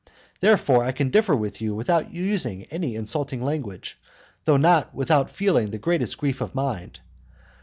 Therefore, I can differ from you without using any insulting language, though not without feeling the greatest grief of mind.